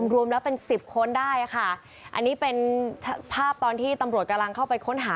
รวมแล้วเป็นสิบคนได้ค่ะอันนี้เป็นภาพตอนที่ตำรวจกำลังเข้าไปค้นหา